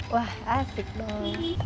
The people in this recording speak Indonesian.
wah asik dong